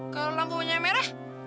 kalau lampunya merah